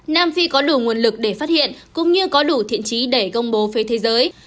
nam phi có đủ nguồn lực để phát hiện cũng như có đủ thiện trí để công bố phía thế giới